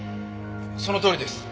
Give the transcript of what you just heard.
そのとおりです。